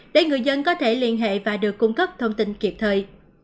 để người dân có thể liên hệ và được cung cấp thông tin kịp thời